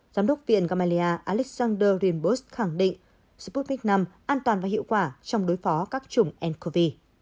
giám đốc viện gamelia alexander drenberg khẳng định sputnik v an toàn và hiệu quả trong đối phó các chủng ncov